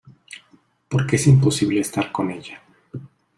porque es imposible estar con ella.